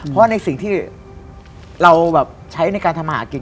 เราใช้ครู่ครัวในการทำมาหากิน